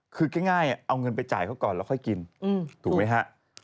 คือง่ายเอาเงินไปจ่ายเขาก่อนแล้วค่อยกินถูกไหมฮะ